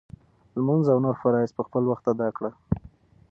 لمونځ او نور فرایض په خپل وخت ادا کړه.